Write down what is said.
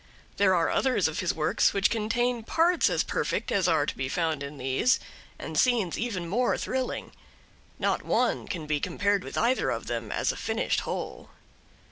There are others of his works which contain parts as perfect as are to be found in these, and scenes even more thrilling. Not one can be compared with either of them as a finished whole.